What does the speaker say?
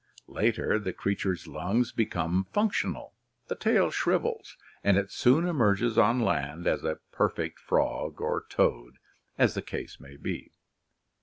Later the creature's lungs become functional, the tail shrivels, and it soon emerges on land as a perfect frog or toad as the case may be.